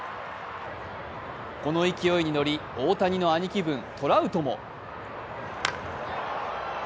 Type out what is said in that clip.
この勢いに乗り大谷の兄貴分トラウトも。